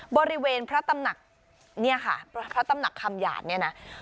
บริเวณพระตำหนักเนี่ยค่ะพระตำหนักคำหยาดเนี่ยนะ